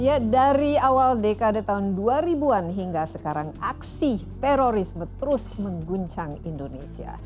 ya dari awal dekade tahun dua ribu an hingga sekarang aksi terorisme terus mengguncang indonesia